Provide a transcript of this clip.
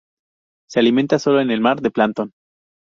Se alimenta sólo en el mar, de plancton.